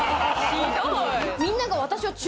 ひどい。